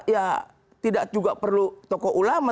ya tidak juga perlu tokoh ulama